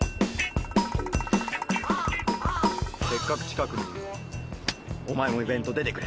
せっかく近くにいるならお前もイベント出てくれ。